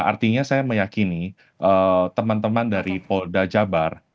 artinya saya meyakini teman teman dari polda jabar